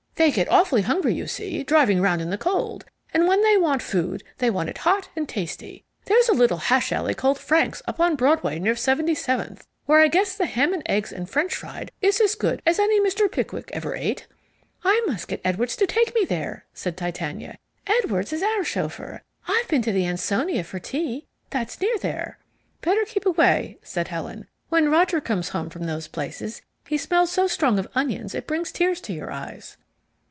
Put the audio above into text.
They get awfully hungry, you see, driving round in the cold, and when they want food they want it hot and tasty. There's a little hash alley called Frank's, up on Broadway near 77th, where I guess the ham and eggs and French fried is as good as any Mr. Pickwick ever ate." "I must get Edwards to take me there," said Titania. "Edwards is our chauffeur. I've been to the Ansonia for tea, that's near there." "Better keep away," said Helen. "When Roger comes home from those places he smells so strong of onions it brings tears to my eyes."